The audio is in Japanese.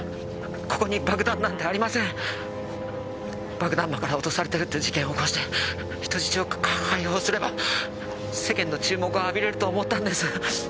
爆弾魔から脅されてるって事件を起こして人質を解放すれば世間の注目を浴びれると思ったんです。